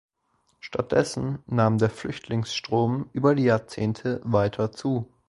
Stattdessen nahm der Flüchtlingsstrom über die Jahrzehnte weiter zu.